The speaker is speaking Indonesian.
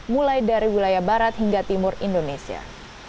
mulai dari wilayah barat hingga timur indonesia